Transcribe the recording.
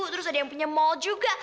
terus ada yang punya mall juga